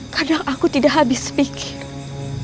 kadang aku tidak habis pikir